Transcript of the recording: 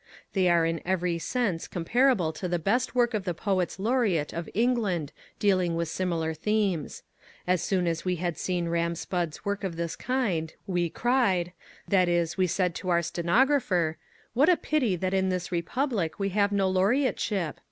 They are in every sense comparable to the best work of the poets laureate of England dealing with similar themes. As soon as we had seen Ram Spudd's work of this kind, we cried, that is we said to our stenographer, "What a pity that in this republic we have no laureateship.